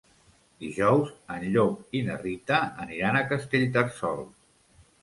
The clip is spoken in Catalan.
Dijous en Llop i na Rita aniran a Castellterçol.